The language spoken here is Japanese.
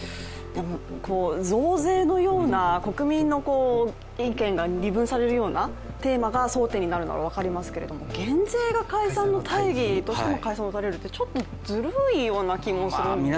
増税のような、国民の意見が二分されるようなテーマが争点になるのは分かりますけど減税が解散の大義に解散されるってちょっとずるいような気がするんですけどね。